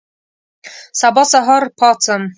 سبا سهار پاڅم